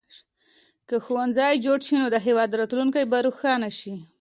که ښوونځي جوړ شي نو د هېواد راتلونکی به روښانه شي.